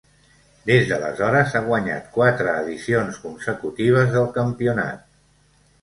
Des d'aleshores ha guanyat quatre edicions consecutives del campionat.